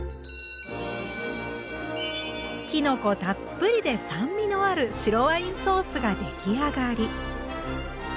きのこたっぷりで酸味のある白ワインソースが出来上がり。